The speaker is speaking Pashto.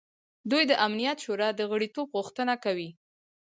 دوی د امنیت شورا د غړیتوب غوښتنه کوي.